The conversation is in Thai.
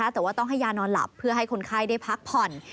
แต่ว่าต้องให้ยานอนหลับเพื่อให้คนไข้ได้พักผ่อน